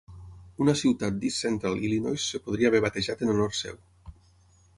Una ciutat d'East Central Illinois es podria haver batejat en honor seu.